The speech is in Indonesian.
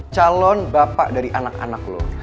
calon bapak dari anak anak loh